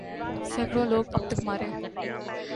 سینکڑوں لوگ اب تک مارے